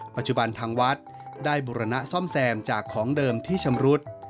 ปัจจุบันทางวัดได้บุรณะซ่อมแซมจากของเดิมที่ชำรุด